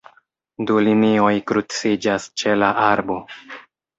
Du linioj kruciĝas ĉe la arbo.